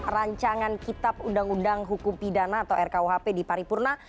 rancangan kitab undang undang hukum pidana atau rkuhp di paripurna